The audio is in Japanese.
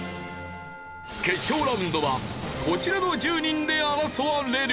決勝ラウンドはこちらの１０人で争われる。